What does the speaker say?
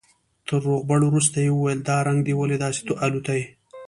تر روغبړ وروسته يې وويل دا رنگ دې ولې داسې الوتى.